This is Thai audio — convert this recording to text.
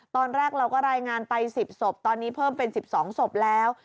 ตอนแรกเราก็รายงานไป๑๐ศพตอนนี้เพิ่มเป็น๑๒ศพแล้ว